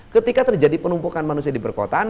ketika terjadi penumpukan manusia di perkotaan